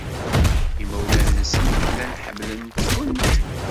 Imawlan-nsent llan ḥemmlen-kent.